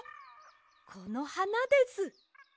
このはなです。